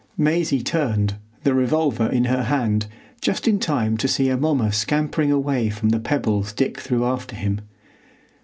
Maisie turned, the revolver in her hand, just in time to see Amomma scampering away from the pebbles Dick threw after him.